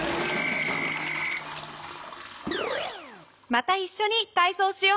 またいっしょにたいそうしようね。